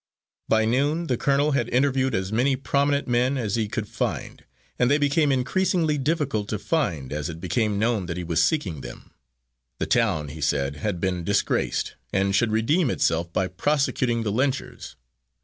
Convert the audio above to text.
By noon the colonel had interviewed as many prominent men as he could find, and they became increasingly difficult to find as it became known that he was seeking them. The town, he said, had been disgraced, and should redeem itself by prosecuting the lynchers.